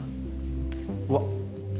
うわっ！